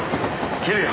切るよ。